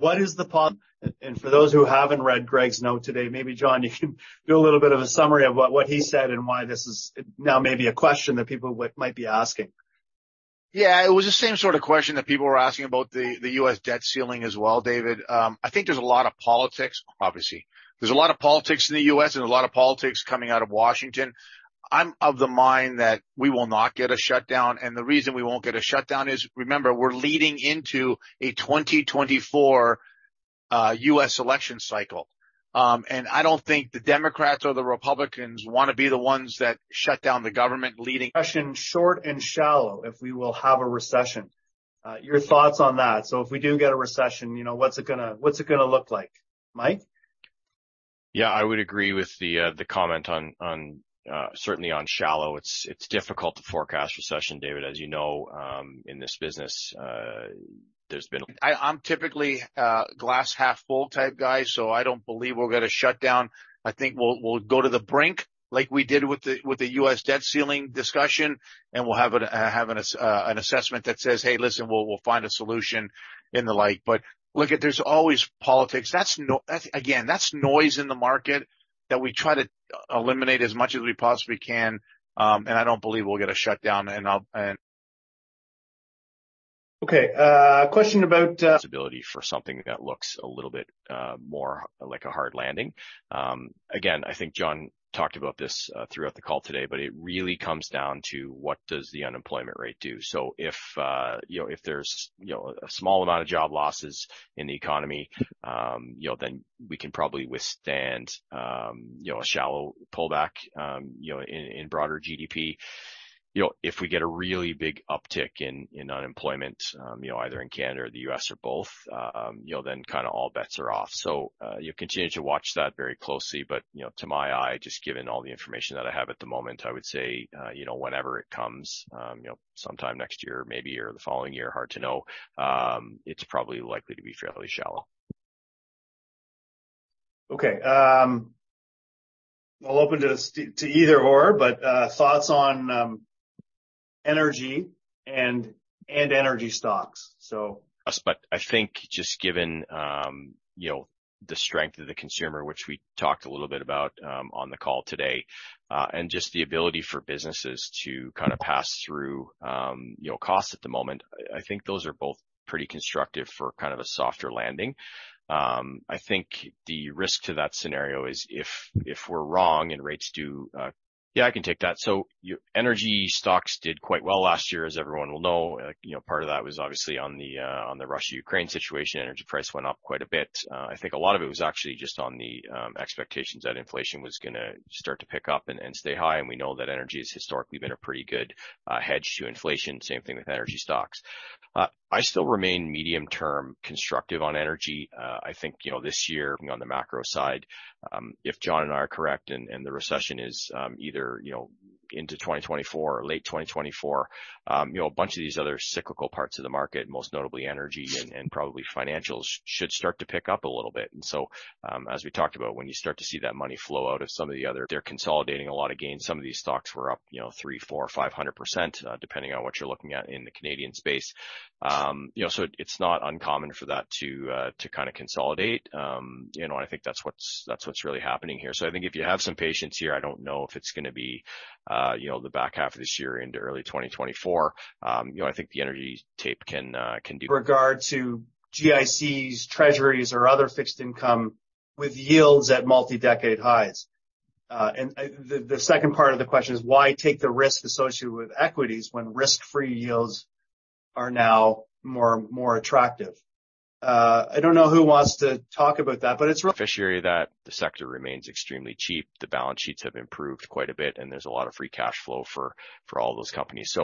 For those who haven't read Greg's note today, maybe John, you can do a little bit of a summary of what he said and why this is now maybe a question that people might be asking. Yeah. It was the same sort of question that people were asking about the U.S. debt ceiling as well, David. I think there's a lot of politics, obviously. There's a lot of politics in the U.S. and a lot of politics coming out of Washington. I'm of the mind that we will not get a shutdown, and the reason we won't get a shutdown is, remember, we're leading into a 2024 U.S. election cycle. I don't think the Democrats or the Republicans wanna be the ones that shut down the government. Question, short and shallow, if we will have a recession. Your thoughts on that. If we do get a recession, you know, what's it going to look like? Mike? Yeah. I would agree with the comment on, certainly on shallow. It's difficult to forecast recession, David. As you know, in this business. I'm typically a glass half full type guy, so I don't believe we're gonna shut down. I think we'll go to the brink like we did with the U.S. debt ceiling discussion, and we'll have an assessment that says, "Hey, listen, we'll find a solution," in the like. Look, there's always politics. Again, that's noise in the market that we try to eliminate as much as we possibly can, and I don't believe we'll get a shutdown. I'll. Okay. Question about. stability for something that looks a little bit more like a hard landing. Again, I think John talked about this throughout the call today, but it really comes down to what does the unemployment rate do. If, you know, if there's, you know, a small amount of job losses in the economy, you know, then we can probably withstand, you know, a shallow pullback, you know, in broader GDP. If we get a really big uptick in unemployment, you know, either in Canada or the U.S. or both, you know, then kinda all bets are off. You continue to watch that very closely. You know, to my eye, just given all the information that I have at the moment, I would say, you know, whenever it comes, you know, sometime next year maybe or the following year, hard to know, it's probably likely to be fairly shallow. Okay. I'll open this to either/or, but thoughts on energy and energy stocks. I think just given, you know, the strength of the consumer, which we talked a little bit about on the call today, and just the ability for businesses to kind of pass through, you know, costs at the moment, I think those are both pretty constructive for kind of a softer landing. I think the risk to that scenario is if we're wrong and rates do. Yeah, I can take that. Energy stocks did quite well last year, as everyone will know. You know, part of that was obviously on the on the Russia-Ukraine situation. Energy price went up quite a bit. I think a lot of it was actually just on the expectations that inflation was gonna start to pick up and stay high. We know that energy has historically been a pretty good hedge to inflation, same thing with energy stocks. I still remain medium-term constructive on energy. I think, you know, this year on the macro side, if John and I are correct and the recession is, either, you know, into 2024 or late 2024, you know, a bunch of these other cyclical parts of the market, most notably energy and probably financials, should start to pick up a little bit. As we talked about, when you start to see that money flow out of some of the other. They're consolidating a lot of gains. Some of these stocks were up, you know, 300%, 400%, 500%, depending on what you're looking at in the Canadian space. you know, so it's not uncommon for that to kinda consolidate. you know, I think that's what's really happening here. I think if you have some patience here, I don't know if it's gonna be, you know, the back half of this year into early 2024. you know, I think the energy tape can do- With regard to GICs, treasuries, or other fixed income with yields at multi-decade highs. The second part of the question is why take the risk associated with equities when risk-free yields are now more attractive? I don't know who wants to talk about that, but it's. I'll take that, the sector remains extremely cheap. The balance sheets have improved quite a bit, and there's a lot of free cash flow for all those companies.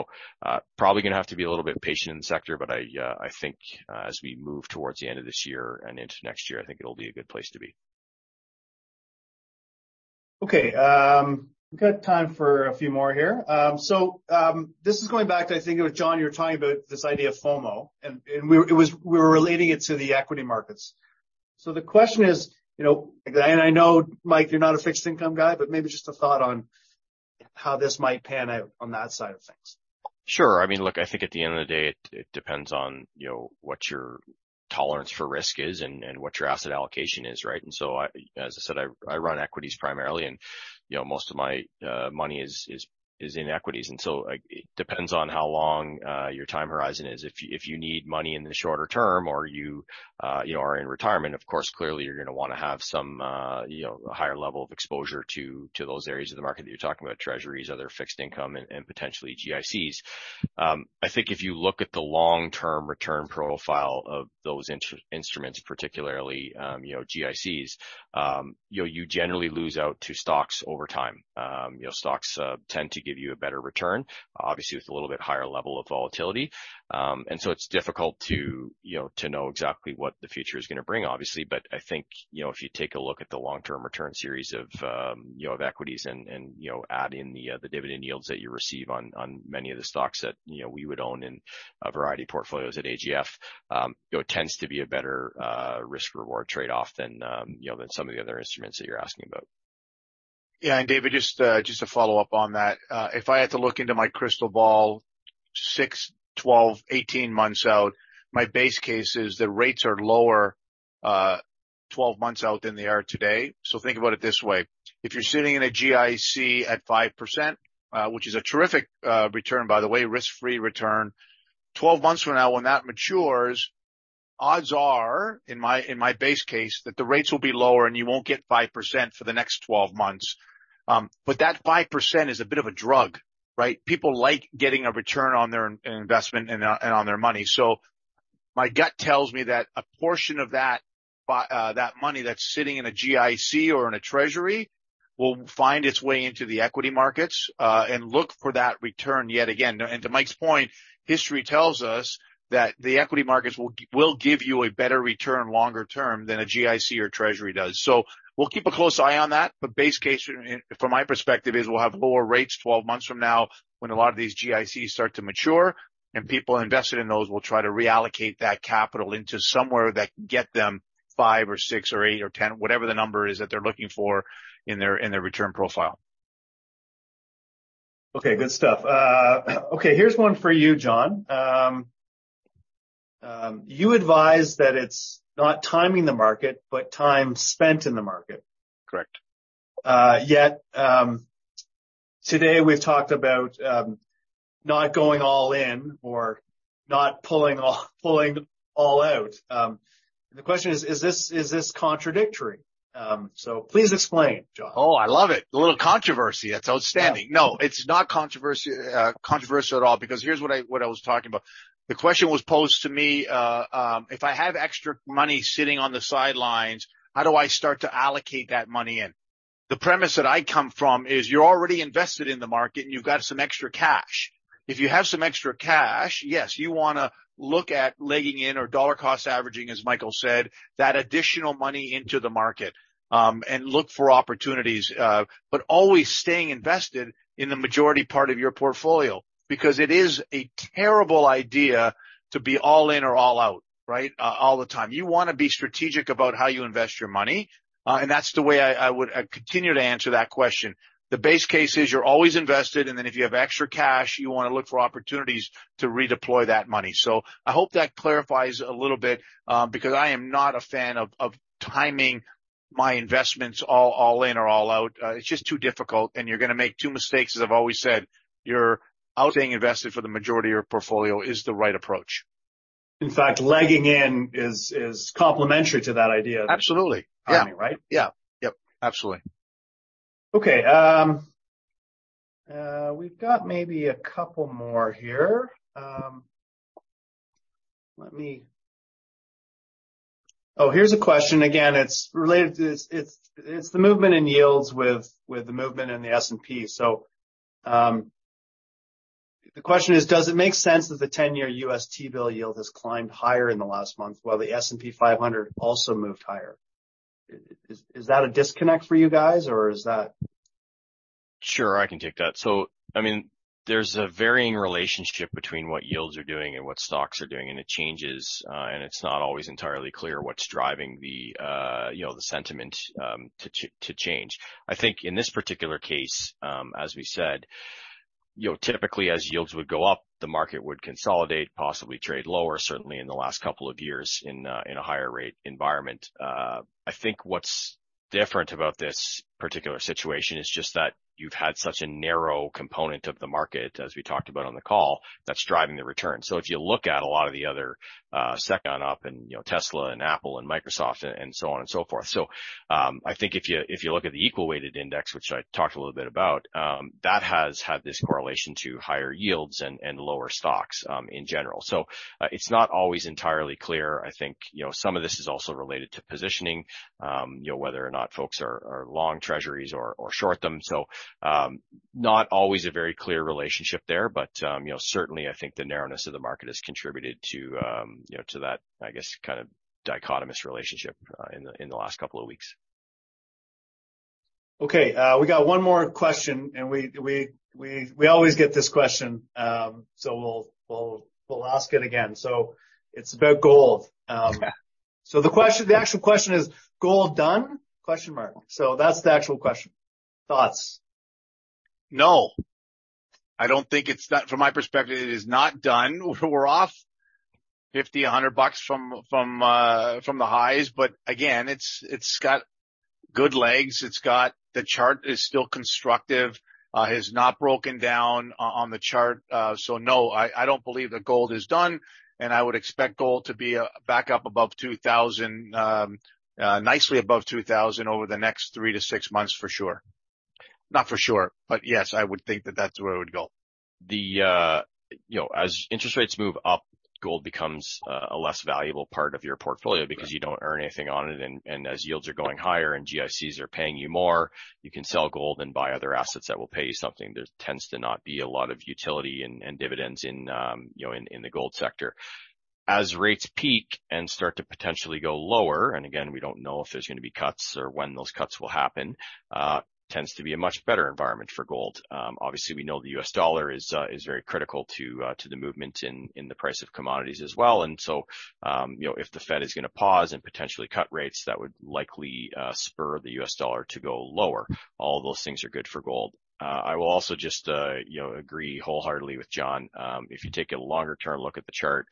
Probably gonna have to be a little bit patient in the sector, but I think as we move towards the end of this year and into next year, I think it'll be a good place to be. Okay. We've got time for a few more here. This is going back to, I think it was John, you were talking about this idea of FOMO and we were relating it to the equity markets. The question is, you know, again, I know, Mike, you're not a fixed income guy, but maybe just a thought on how this might pan out on that side of things. Sure. I mean, look, I think at the end of the day, it depends on, you know, what your tolerance for risk is and what your asset allocation is, right? As I said, I run equities primarily, and, you know, most of my money is in equities. Like, it depends on how long your time horizon is. If you, if you need money in the shorter term or you know, are in retirement, of course, clearly you're gonna wanna have some, you know, a higher level of exposure to those areas of the market that you're talking about, treasuries, other fixed income, and potentially GICs. I think if you look at the long-term return profile of those instruments, particularly, you know, GICs, you know, you generally lose out to stocks over time. You know, stocks tend to give you a better return, obviously with a little bit higher level of volatility. It's difficult to, you know, to know exactly what the future is gonna bring, obviously. I think, you know, if you take a look at the long-term return series of, you know, of equities and, you know, add in the dividend yields that you receive on many of the stocks that, you know, we would own in a variety of portfolios at AGF, you know, tends to be a better, risk/reward trade-off than, you know, than some of the other instruments that you're asking about. Yeah. David, just to follow up on that. If I had to look into my crystal ball six, 12, 18 months out, my base case is that rates are lower, 12 months out than they are today. Think about it this way, if you're sitting in a GIC at 5%, which is a terrific return, by the way, risk-free return. 12 months from now, when that matures, odds are, in my base case, that the rates will be lower, and you won't get 5% for the next 12 months. That 5% is a bit of a drug, right? People like getting a return on their investment and on their money. My gut tells me that a portion of that money that's sitting in a GIC or in a treasury will find its way into the equity markets and look for that return yet again. To Mike's point, history tells us that the equity markets will give you a better return longer term than a GIC or treasury does. We'll keep a close eye on that, but base case from my perspective is we'll have lower rates 12 months from now when a lot of these GICs start to mature and people invested in those will try to reallocate that capital into somewhere that can get them five or six or eight or 10, whatever the number is that they're looking for in their, in their return profile. Okay, good stuff. Okay, here's one for you, John. You advise that it's not timing the market, but time spent in the market. Correct. Yet, today we've talked about not going all in or not pulling all out. The question is this contradictory? Please explain, John. Oh, I love it. A little controversy. That's outstanding. Yeah. No, it's not controversy, controversial at all, because here's what I was talking about. The question was posed to me, if I have extra money sitting on the sidelines, how do I start to allocate that money in? The premise that I come from is you're already invested in the market, and you've got some extra cash. If you have some extra cash, yes, you wanna look at legging in or dollar cost averaging, as Michael said, that additional money into the market, and look for opportunities, but always staying invested in the majority part of your portfolio because it is a terrible idea to be all in or all out, right, all the time. You wanna be strategic about how you invest your money, and that's the way I would continue to answer that question. The base case is you're always invested, and then if you have extra cash, you wanna look for opportunities to redeploy that money. I hope that clarifies a little bit, because I am not a fan of timing my investments all in or all out. It's just too difficult, and you're gonna make two mistakes, as I've always said. You're staying invested for the majority of your portfolio is the right approach. In fact, legging in is complementary to that idea. Absolutely. -right? Yeah. Yep, absolutely. Okay. We've got maybe a couple more here. Oh, here's a question. Again, it's related to this. It's the movement in yields with the movement in the S&P. The question is, does it make sense that the 10-year U.S. T-bill yield has climbed higher in the last month while the S&P 500 also moved higher? Is that a disconnect for you guys, or is that- Sure, I can take that. I mean, there's a varying relationship between what yields are doing and what stocks are doing, and it changes, and it's not always entirely clear what's driving the, you know, the sentiment to change. I think in this particular case, as we said, you know, typically as yields would go up, the market would consolidate, possibly trade lower, certainly in the last couple of years in a higher rate environment. I think what's different about this particular situation is just that you've had such a narrow component of the market as we talked about on the call, that's driving the return. If you look at a lot of the other, set on up and, you know, Tesla and Apple and Microsoft and so on and so forth. I think if you look at the equally weighted index, which I talked a little bit about, that has had this correlation to higher yields and lower stocks in general. It's not always entirely clear. I think, you know, some of this is also related to positioning, you know, whether or not folks are long treasuries or short term. Not always a very clear relationship there, but, you know, certainly I think the narrowness of the market has contributed to, you know, to that, I guess, kind of dichotomous relationship in the last couple of weeks. Okay. We got one more question. We always get this question, we'll ask it again. It's about gold. The actual question is gold done? Question mark. That's the actual question. Thoughts. No. I don't think it's done. From my perspective, it is not done. We're off $50, $100 from the highs, but again, it's got good legs. It's got the chart is still constructive. It's not broken down on the chart. I don't believe that gold is done. I would expect gold to be back up above $2,000 nicely above $2,000 over the next three to six months for sure. Not for sure, but yes, I would think that that's where it would go. You know, as interest rates move up, gold becomes a less valuable part of your portfolio because you don't earn anything on it. As yields are going higher and GICs are paying you more, you can sell gold and buy other assets that will pay you something. There tends to not be a lot of utility and dividends in, you know, in the gold sector. As rates peak and start to potentially go lower, and again, we don't know if there's gonna be cuts or when those cuts will happen, tends to be a much better environment for gold. Obviously we know the U.S. dollar is very critical to the movement in the price of commodities as well. You know, if the Fed is gonna pause and potentially cut rates, that would likely spur the US dollar to go lower. All those things are good for gold. I will also just, you know, agree wholeheartedly with John. If you take a longer term look at the chart,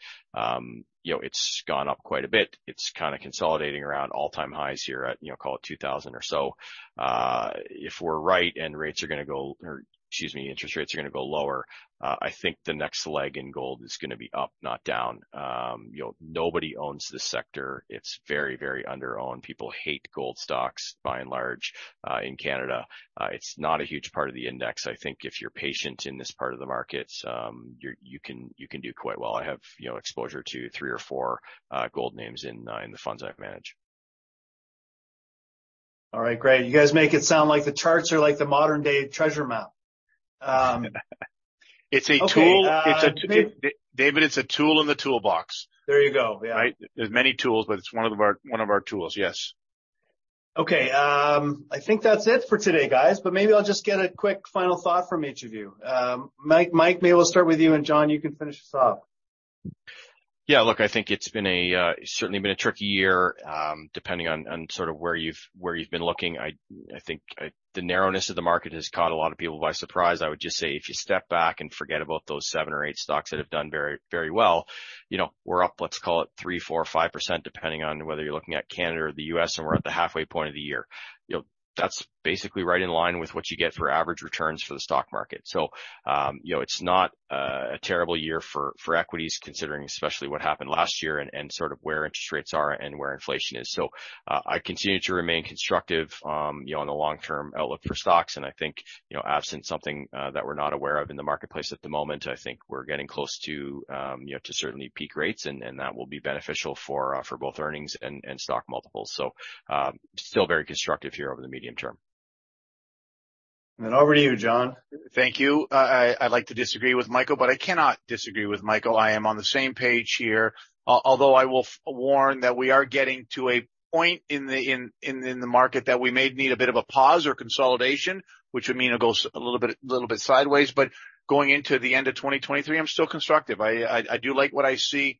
you know, it's gone up quite a bit. It's kinda consolidating around all-time highs here at, you know, call it $2,000 or so. If we're right and rates are gonna go or, excuse me, interest rates are gonna go lower, I think the next leg in gold is gonna be up, not down. You know, nobody owns this sector. It's very, very under-owned. People hate gold stocks by and large in Canada. It's not a huge part of the index. I think if you're patient in this part of the market, you can do quite well. I have, you know, exposure to three or four gold names in the funds I've managed. All right. Great. You guys make it sound like the charts are like the modern day treasure map. It's a tool. David, it's a tool in the toolbox. There you go. Yeah. Right? There's many tools, but it's one of our tools, yes. Okay. I think that's it for today, guys. Maybe I'll just get a quick final thought from each of you. Mike, maybe we'll start with you, and John, you can finish us off. Look, I think it's been a certainly been a tricky year. Depending on sort of where you've been looking. I think the narrowness of the market has caught a lot of people by surprise. I would just say if you step back and forget about those 7 or 8 stocks that have done very, very well, you know, we're up, let's call it 3%, 4%, or 5%, depending on whether you're looking at Canada or the U.S., and we're at the halfway point of the year. You know, that's basically right in line with what you get for average returns for the stock market. You know, it's not a terrible year for equities considering especially what happened last year and sort of where interest rates are and where inflation is. I continue to remain constructive, you know, on the long-term outlook for stocks. I think, you know, absent something that we're not aware of in the marketplace at the moment, I think we're getting close to, you know, to certainly peak rates and that will be beneficial for both earnings and stock multiples. Still very constructive here over the medium term. Over to you, John. Thank you. I'd like to disagree with Michael, but I cannot disagree with Michael. I am on the same page here. Although I will warn that we are getting to a point in the market that we may need a bit of a pause or consolidation, which would mean it goes a little bit sideways. Going into the end of 2023, I'm still constructive. I do like what I see.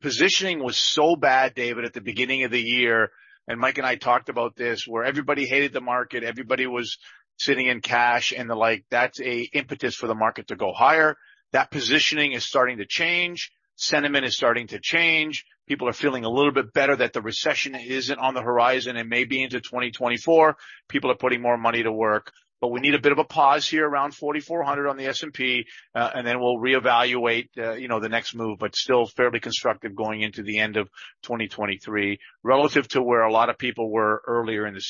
Positioning was so bad, David, at the beginning of the year, and Mike and I talked about this, where everybody hated the market, everybody was sitting in cash, and the like, that's a impetus for the market to go higher. That positioning is starting to change. Sentiment is starting to change. People are feeling a little bit better that the recession isn't on the horizon and may be into 2024. People are putting more money to work. We need a bit of a pause here around 4,400 on the S&P, and then we'll reevaluate, you know, the next move, but still fairly constructive going into the end of 2023. Relative to where a lot of people were earlier in the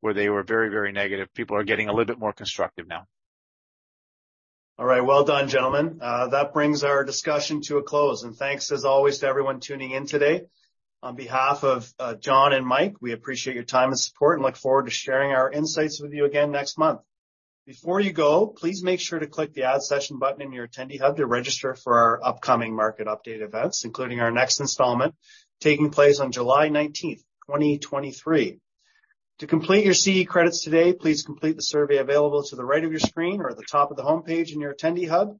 year, where they were very, very negative. People are getting a little bit more constructive now. All right. Well done, gentlemen. That brings our discussion to a close. Thanks as always to everyone tuning in today. On behalf of John and Mike, we appreciate your time and support and look forward to sharing our insights with you again next month. Before you go, please make sure to click the Add Session button in your Attendee Hub to register for our upcoming market update events, including our next installment taking place on July 19th, 2023. To complete your CE credits today, please complete the survey available to the right of your screen or at the top of the homepage in your Attendee Hub.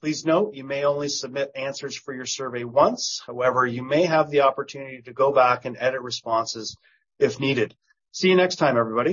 Please note you may only submit answers for your survey once. However, you may have the opportunity to go back and edit responses if needed. See you next time, everybody.